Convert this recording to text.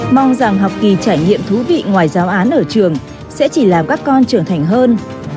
mong rằng học kỳ trải nghiệm thú vị ngoài giáo án ở trường sẽ chỉ làm các con trưởng thành hơn